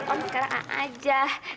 om sekarang a aja